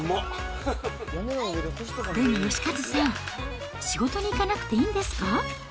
でも芳和さん、仕事に行かなくていいんですか？